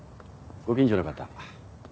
・ご近所の方。